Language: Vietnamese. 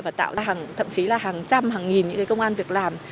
và tạo ra thậm chí là hàng trăm hàng nghìn công an việc làm